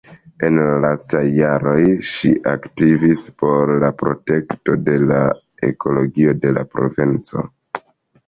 En la lastaj jaroj, ŝi aktivis por la protekto de la ekologio de Provenco.